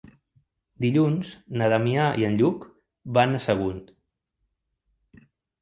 Dilluns na Damià i en Lluc van a Sagunt.